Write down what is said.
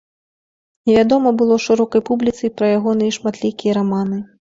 Невядома было шырокай публіцы і пра ягоныя шматлікія раманы.